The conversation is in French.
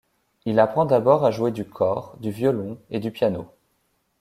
Il apprend d'abord à jouer du cor, du violon et du piano.